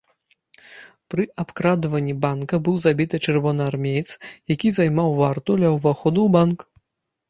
Пры абкрадванні банка быў забіты чырвонаармеец, які займаў варту ля ўвахода ў банк.